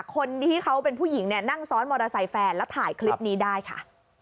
คนที่เขาเป็นผู้หญิงเนี่ยนั่งซ้อนมอเตอร์ไซค์แฟนแล้วถ่ายคลิปนี้ได้ค่ะ